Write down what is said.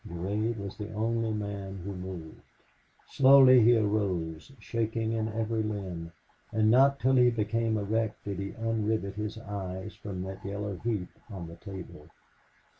Durade was the only man who moved. Slowly he arose, shaking in every limb, and not till he became erect did he unrivet his eyes from that yellow heap on the table.